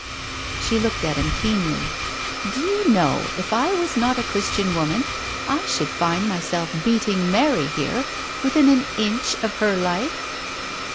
She looked at him keenly. "Do you know if I was not a Christian woman I should find myself beating Mary here within an inch of her life